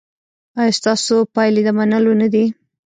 ایا ستاسو پایلې د منلو نه دي؟